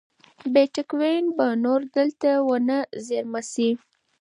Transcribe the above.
بېټکوین به نور دلته ونه زېرمه شي.